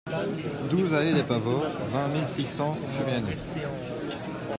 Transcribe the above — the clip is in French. douze allée des Pavots, vingt mille six cents Furiani